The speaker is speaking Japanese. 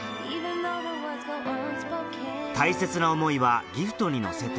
大切な思いはギフトに乗せて